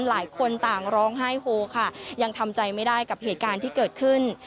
หลายคนต่างร้องไห้โฮค่ะยังทำใจไม่ได้กับเหตุการณ์ที่เกิดขึ้น